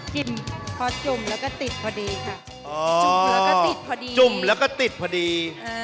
จิ้มเพราะจุ่มแล้วก็ติดพอดีค่ะจุ่มแล้วก็ติดพอดี